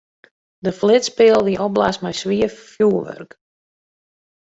In flitspeal wie opblaasd mei swier fjurwurk.